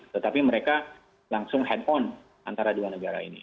tetapi mereka langsung hand on antara dua negara ini